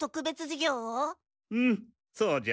うむそうじゃ。